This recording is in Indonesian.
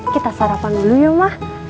kita sarapan dulu ya mah